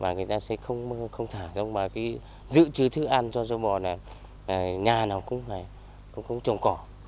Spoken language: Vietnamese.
người ta sẽ không thả giữ chứa thức ăn cho châu bò nhà nào cũng trồng cỏ